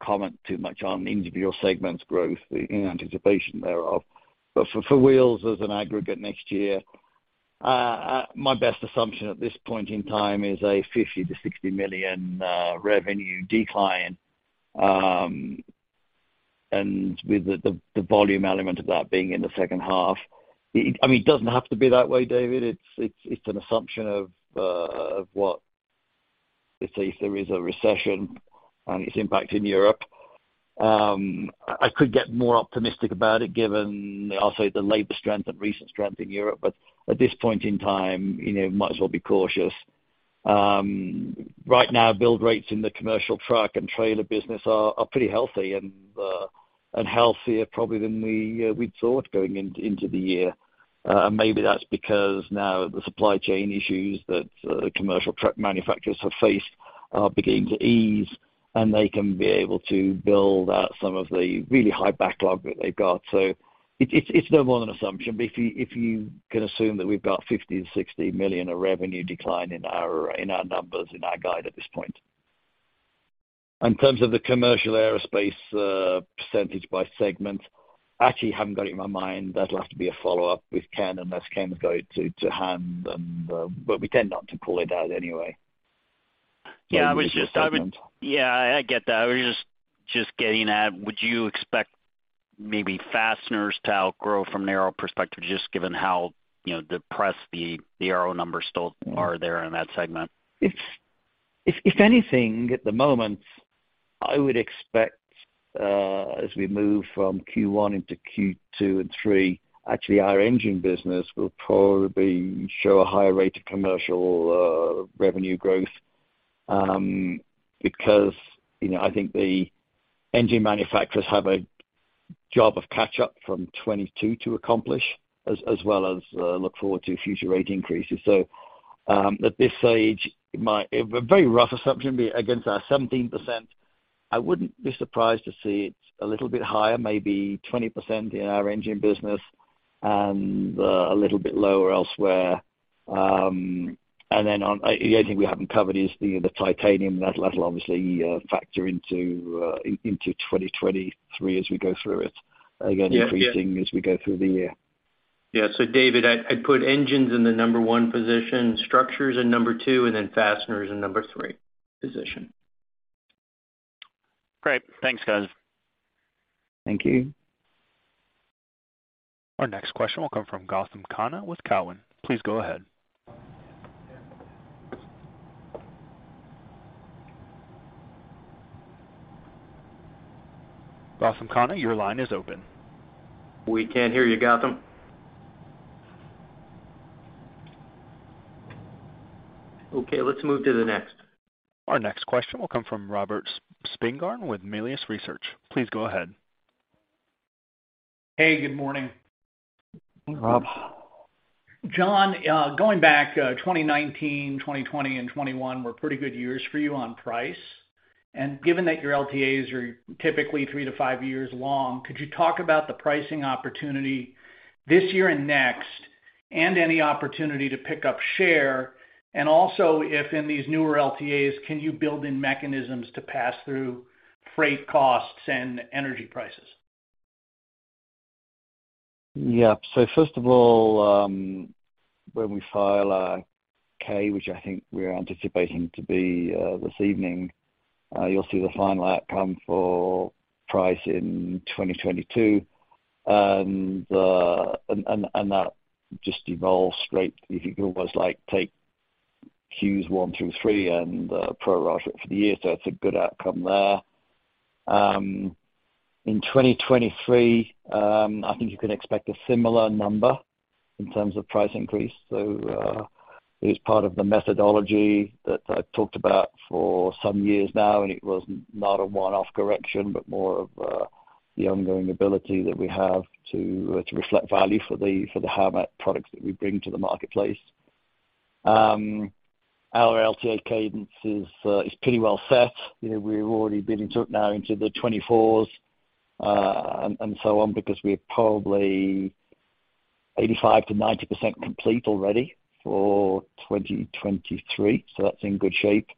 comment too much on individual segments growth in anticipation thereof. For wheels as an aggregate next year, my best assumption at this point in time is a $50 million-$60 million revenue decline. With the volume element of that being in the second half. I mean, it doesn't have to be that way, David. It's an assumption of what, let's say, if there is a recession and its impact in Europe. I could get more optimistic about it given also the labor strength and recent strength in Europe, but at this point in time, you know, might as well be cautious. Right now, build rates in the commercial truck and trailer business are pretty healthy and healthier probably than we'd thought going into the year. Maybe that's because now the supply chain issues that commercial truck manufacturers have faced are beginning to ease, and they can be able to build out some of the really high backlog that they've got. It's no more than assumption, but if you can assume that we've got $50 million-$60 million of revenue decline in our numbers, in our guide at this point. In terms of the commercial aerospace percentage by segment, I actually haven't got it in my mind. That'll have to be a follow-up with Ken, unless Ken's going to hand them the... We tend not to call it out anyway. Yeah, I get that. I was just getting at, would you expect maybe fasteners to outgrow from narrow perspective, just given how, you know, depressed the aero numbers still are there in that segment? If anything, at the moment, I would expect, as we move from Q1 into Q2 and Q3, actually, our engine business will probably show a higher rate of commercial revenue growth, because, you know, I think the engine manufacturers have a job of catch up from 2022 to accomplish, as well as, look forward to future rate increases. At this stage, a very rough assumption, against our 17%, I wouldn't be surprised to see it a little bit higher, maybe 20% in our engine business and a little bit lower elsewhere. The only thing we haven't covered is the titanium. That'll obviously factor into 2023 as we go through it. Yeah. Yeah. Increasing as we go through the year. Yeah. David, I'd put engines in the number one position, structures in number two, and then fasteners in the number three position. Great. Thanks, guys. Thank you. Our next question will come from Gautam Khanna with Cowen. Please go ahead. Gautam Khanna, your line is open. We can't hear you, Gautam. Okay, let's move to the next. Our next question will come from Robert Spingarn with Melius Research. Please go ahead. Hey, good morning. Rob. John, going back, 2019, 2020, and 2021 were pretty good years for you on price. Given that your LTAs are typically three to five years long, could you talk about the pricing opportunity this year and next, and any opportunity to pick up share? Also, if in these newer LTAs, can you build in mechanisms to pass through freight costs and energy prices? First of all, when we file K, which I think we're anticipating to be this evening, you'll see the final outcome for price in 2022. That just evolves straight. If you could almost like take Qs one through three and prorate it for the year. It's a good outcome there. In 2023, I think you can expect a similar number in terms of price increase. It is part of the methodology that I've talked about for some years now, and it was not a one-off correction, but more of the ongoing ability that we have to reflect value for the Howmet products that we bring to the marketplace. Our LTA cadence is pretty well set. You know, we're already bidding took now into the 2024s, and so on because we're probably 85%-90% complete already for 2023. That's in good shape.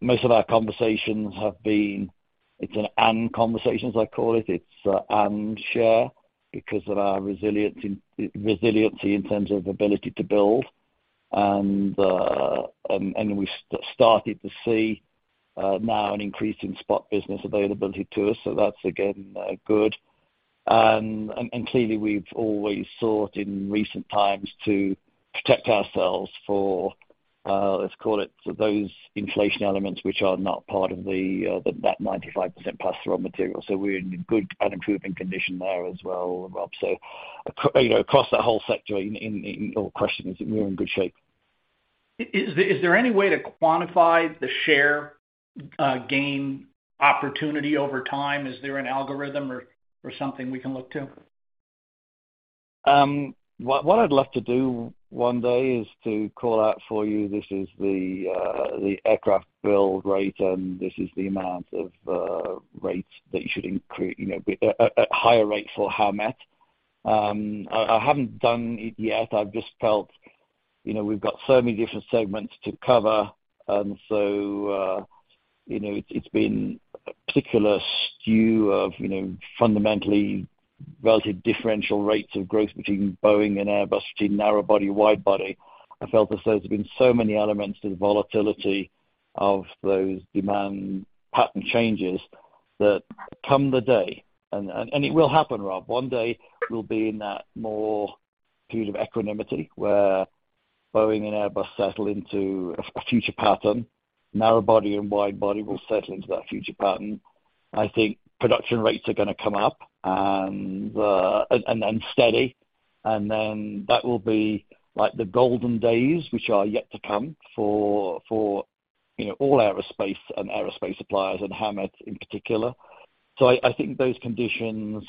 Most of our conversations have been, it's an in conversations, I call it. It's and share because of our resiliency in terms of ability to build. We started to see now an increase in spot business availability to us. That's again good. Clearly, we've always sought in recent times to protect ourselves for, let's call it, for those inflation elements which are not part of that 95% pass through our material. We're in good and improving condition there as well, Rob. You know, across that whole sector in your question is that we're in good shape. Is there any way to quantify the share gain opportunity over time? Is there an algorithm or something we can look to? What, what I'd love to do one day is to call out for you, this is the aircraft build rate, and this is the amount of rates that you should increase, you know, be a higher rate for Howmet. I haven't done it yet. I've just felt, you know, we've got so many different segments to cover. You know, it's been a particular stew of, you know, fundamentally relative differential rates of growth between Boeing and Airbus, between narrow body, wide body. I felt as though there's been so many elements to the volatility of those demand pattern changes that come the day, and it will happen, Rob, one day we'll be in that more period of equanimity, where Boeing and Airbus settle into a future pattern. Narrow body and wide body will settle into that future pattern. I think production rates are gonna come up, and then steady. That will be like the golden days, which are yet to come for, you know, all aerospace and aerospace suppliers and Howmet in particular. I think those conditions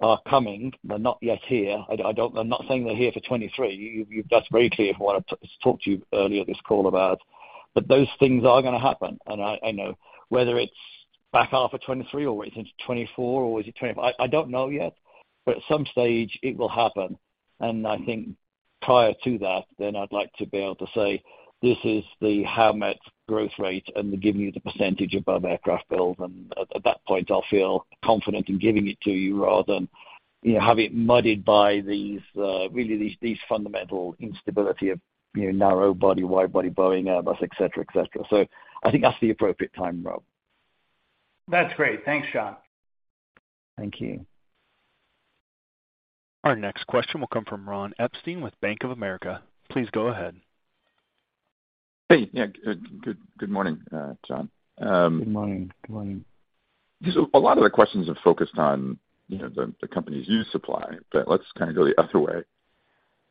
are coming. They're not yet here. I'm not saying they're here for 23. That's very clear from what I talked to you earlier this call about. Those things are gonna happen. I know whether it's back half of 23 or whether it's into 24, or is it 25? I don't know yet, but at some stage it will happen. I think prior to that, then I'd like to be able to say, "This is the Howmet growth rate," and giving you the percentage above aircraft build. At that point, I'll feel confident in giving it to you rather than, you know, have it muddied by these, really these fundamental instability of, you know, narrow body, wide body, Boeing, Airbus, et cetera, et cetera. I think that's the appropriate time, Rob. That's great. Thanks, John. Thank you. Our next question will come from Ron Epstein with Bank of America. Please go ahead. Hey. Yeah. Good morning, John. Good morning. Good morning. Just a lot of the questions have focused on, you know, the companies you supply, but let's kind of go the other way.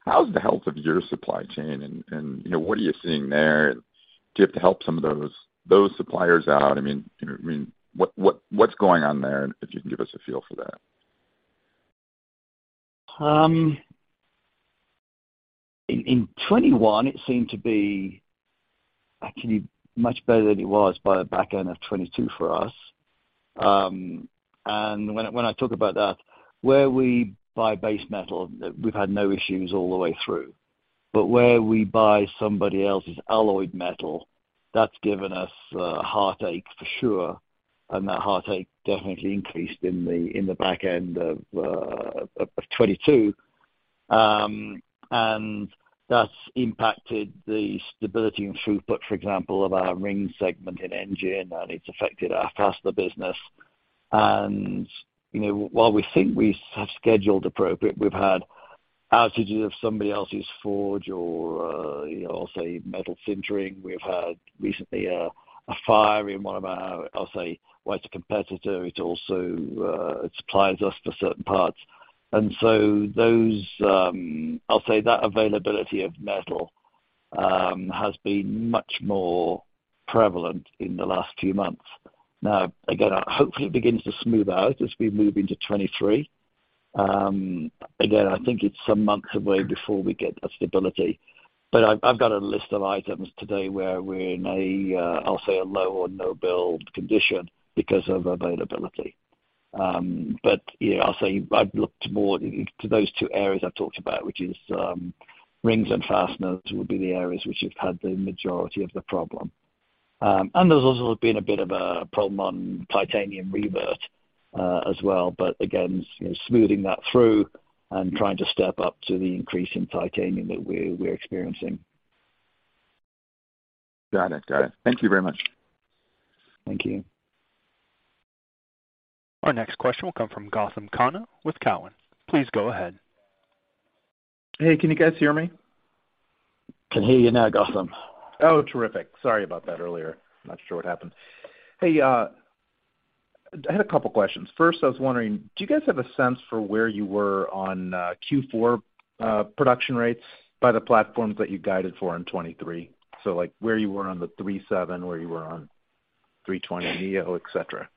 How's the health of your supply chain and you know, what are you seeing there? Do you have to help some of those suppliers out? I mean, you know, I mean, what's going on there, if you can give us a feel for that? In 2021 it seemed to be actually much better than it was by the back end of 2022 for us. When I talk about that, where we buy base metal, we've had no issues all the way through. Where we buy somebody else's alloyed metal, that's given us heartache for sure, and that heartache definitely increased in the back end of 2022. That's impacted the stability and throughput, for example, of our ring segment in Engine, and it's affected our Fastener business. You know, while we think we have scheduled appropriate, we've had outages of somebody else's forge or, you know, I'll say metal sintering. We've had recently a fire in one of our, I'll say, wider competitor. It also supplies us for certain parts. Those, I'll say that availability of metal has been much more prevalent in the last few months. Again, hopefully it begins to smooth out as we move into 2023. Again, I think it's some months away before we get that stability. I've got a list of items today where we're in a, I'll say a low or no build condition because of availability. Yeah, I'll say I've looked more to those two areas I've talked about, which is, rings and fasteners would be the areas which have had the majority of the problem. There's also been a bit of a problem on titanium revert as well. Again, you know, smoothing that through and trying to step up to the increase in titanium that we're experiencing. Got it. Got it. Thank you very much. Thank you. Our next question will come from Gautam Khanna with Cowen. Please go ahead. Hey, can you guys hear me? Can hear you now, Gautam. Oh, terrific. Sorry about that earlier. Not sure what happened. Hey, I had a couple questions. First, I was wondering, do you guys have a sense for where you were on Q4 production rates by the platforms that you guided for in 2023? Like, where you were on the 737, where you were on A320neo, et cetera.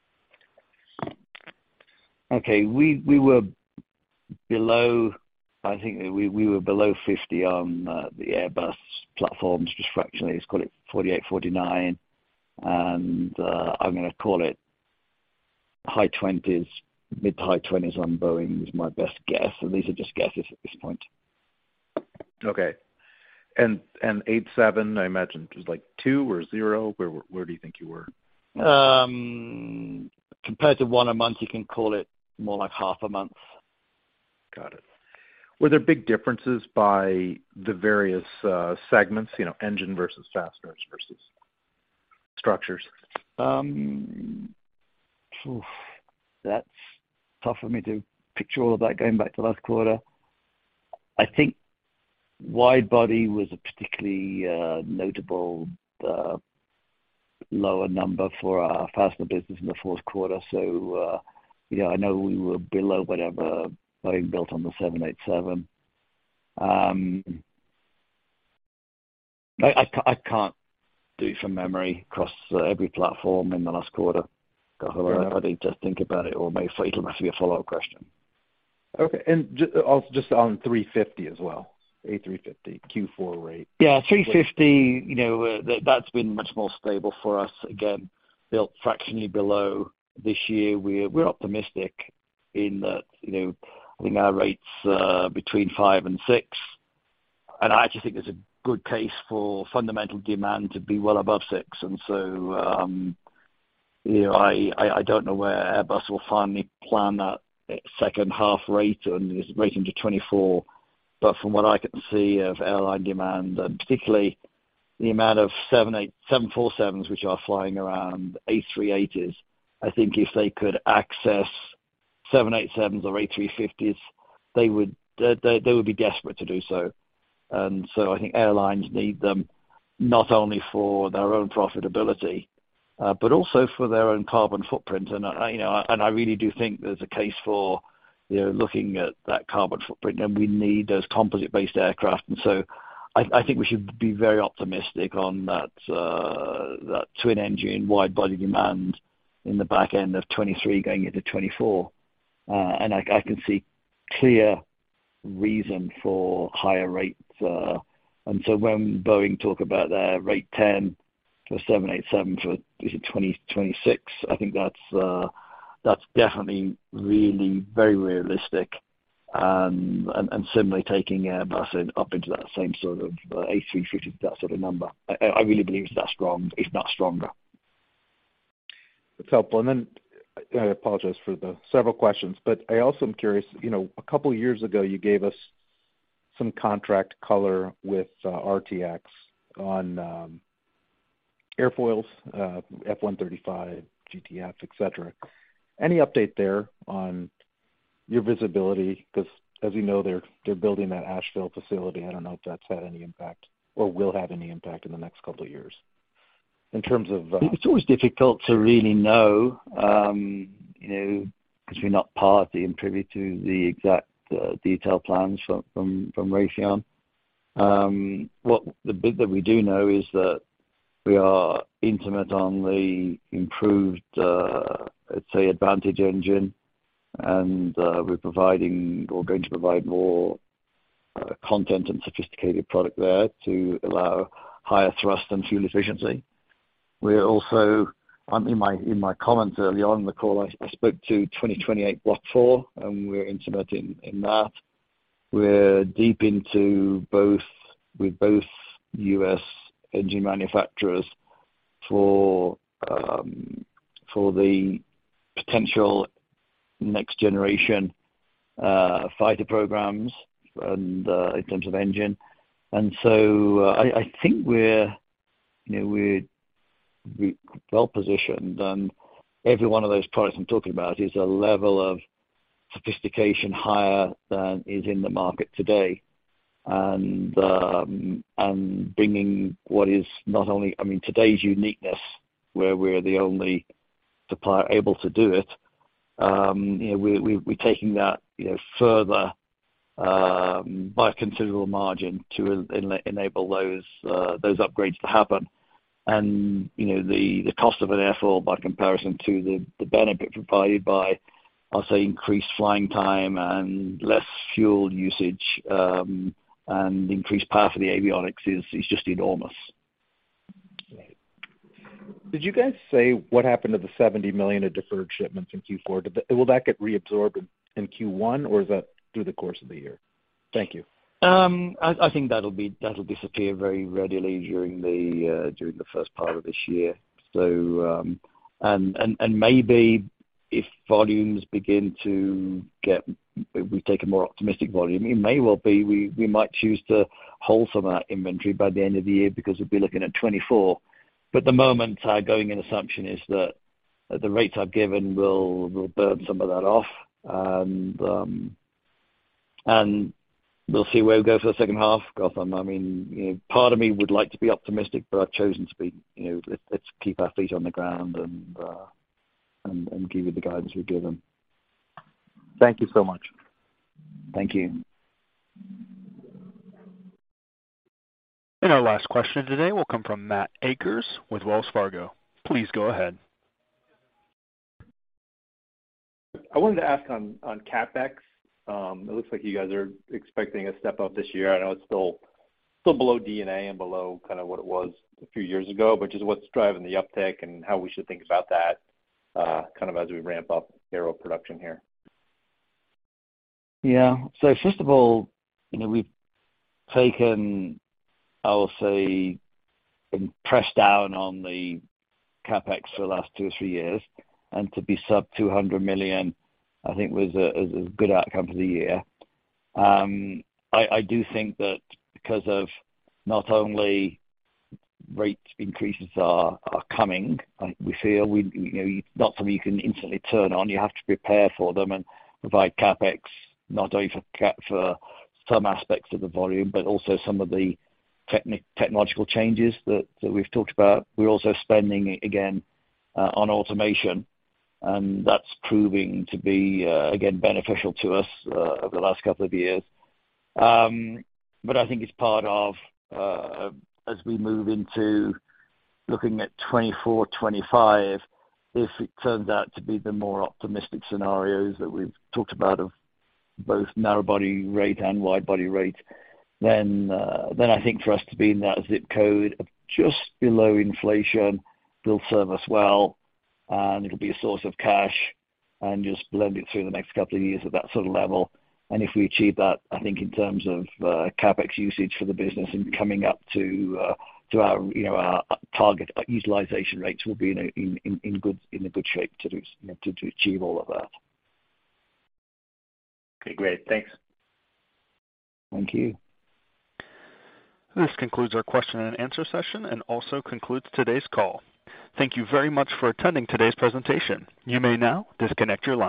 Okay. We were below I think we were below 50 on the Airbus platforms, just fractionally. Let's call it 48, 49. I'm gonna call it high 20s, mid-to-high 20s on Boeing is my best guess. These are just guesses at this point. Okay. eight to seven, I imagine it was, like, two or zero. Where do you think you were? Compared to one a month, you can call it more like half a month. Got it. Were there big differences by the various, segments? You know, engine versus fasteners versus structures? Oof, that's tough for me to picture all of that going back to last quarter. I think wide body was a particularly notable lower number for our fastener business in the fourth quarter. Yeah, I know we were below whatever Boeing built on the 787. I can't do from memory across every platform in the last quarter, Gautam. I'd have to think about it or It'll have to be a follow-up question. Okay. Just on A350 as well, A350 Q4 rate. Yeah, A350, you know, that's been much more stable for us. Again, built fractionally below this year. We're optimistic. You know, I think our rates between five and six, I actually think there's a good case for fundamental demand to be well above six. You know, I don't know where Airbus will finally plan that second half rate and is rating to 2024, from what I can see of airline demand, particularly the amount of 747s which are flying around A380s, I think if they could access 787s or A350s, they would be desperate to do so. I think airlines need them not only for their own profitability, but also for their own carbon footprint. I, you know, I really do think there's a case for, you know, looking at that carbon footprint, and we need those composite-based aircraft. I think we should be very optimistic on that twin-engine, wide-body demand in the back end of 2023 going into 2024. I can see clear reason for higher rates. When Boeing talk about their rate 10 for 787 for 2026, I think that's definitely really very realistic. Similarly, taking Airbus up into that same sort of A350, that sort of number. I really believe it's that strong, if not stronger. It's helpful. I apologize for the several questions, but I also am curious. You know, a couple years ago, you gave us some contract color with RTX on airfoils, F-35, GTF, et cetera. Any update there on your visibility? 'Cause as we know, they're building that Asheville facility. I don't know if that's had any impact or will have any impact in the next couple of years. In terms of. It's always difficult to really know, you know, 'cause we're not party and privy to the exact detail plans from Raytheon. The bit that we do know is that we are intimate on the improved, let's say GTF Advantage, and we're providing or going to provide more content and sophisticated product there to allow higher thrust and fuel efficiency. We're also. In my comments early on in the call, I spoke to 2028 Block 4, and we're intimate in that. We're deep into both with both U.S. engine manufacturers for the potential next generation fighter programs and in terms of engine. I think we're, you know, we're well-positioned, and every one of those products I'm talking about is a level of sophistication higher than is in the market today. Bringing what is not only... I mean, today's uniqueness, where we're the only supplier able to do it, you know, we're taking that, you know, further, by a considerable margin to enable those upgrades to happen. You know, the cost of an airfoil by comparison to the benefit provided by, I'll say increased flying time and less fuel usage, and increased power for the avionics is just enormous. Did you guys say what happened to the $70 million of deferred shipments in Q4? Will that get reabsorbed in Q1, or is that through the course of the year? Thank you. I think that'll disappear very readily during the during the first part of this year. And maybe if volumes begin to get We take a more optimistic volume, it may well be we might choose to hold some of that inventory by the end of the year because we'd be looking at 2024. The moment our going in assumption is that at the rates I've given, we'll burn some of that off. And we'll see where we go for the second half, Gautam. I mean, you know, part of me would like to be optimistic, but I've chosen to be, you know, let's keep our feet on the ground and give you the guidance we've given. Thank you so much. Thank you. Our last question today will come from Matt Akers with Wells Fargo. Please go ahead. I wanted to ask on CapEx. It looks like you guys are expecting a step up this year. I know it's still below DNA and below kind of what it was a few years ago, but just what's driving the uptick and how we should think about that kind of as we ramp up aero production here? Yeah. First of all, you know, we've taken, I'll say, impressed down on the CapEx for the last two or three years. To be sub $200 million, I think was a good outcome for the year. I do think that because of not only rate increases are coming, and we feel, we, you know, not something you can instantly turn on, you have to prepare for them and provide CapEx, not only for some aspects of the volume, but also some of the technological changes that we've talked about. We're also spending again, on automation, and that's proving to be again, beneficial to us, over the last couple of years. I think it's part of, as we move into looking at 2024, 2025, if it turns out to be the more optimistic scenarios that we've talked about of both narrow body rate and wide body rate, I think for us to be in that zip code of just below inflation will serve us well, and it'll be a source of cash and just blend it through the next couple of years at that sort of level. If we achieve that, I think in terms of CapEx usage for the business and coming up to our, you know, our target utilization rates, we'll be in a good shape to do, you know, to achieve all of that. Okay, great. Thanks. Thank you. This concludes our question and answer session and also concludes today's call. Thank you very much for attending today's presentation. You may now disconnect your line.